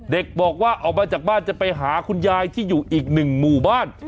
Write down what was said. เด็กบอกว่าออกมาจากบ้านจะไปหาคุณยายที่อยู่อีกหนึ่งหมู่บ้าน